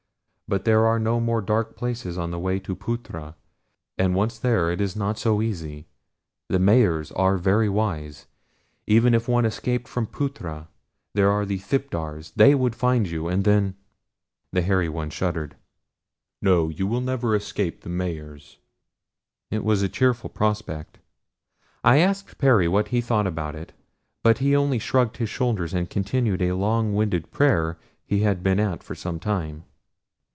"But there are no more dark places on the way to Phutra, and once there it is not so easy the Mahars are very wise. Even if one escaped from Phutra there are the thipdars they would find you, and then " the Hairy One shuddered. "No, you will never escape the Mahars." It was a cheerful prospect. I asked Perry what he thought about it; but he only shrugged his shoulders and continued a longwinded prayer he had been at for some time.